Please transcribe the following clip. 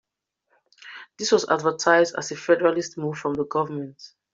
This was advertised as a federalist move from the government.